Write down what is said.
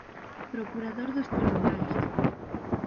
Procurador dos tribunais.